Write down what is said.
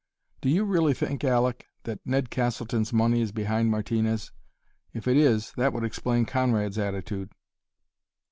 "Do you really think, Aleck, that Ned Castleton's money is behind Martinez? If it is, that would explain Conrad's attitude."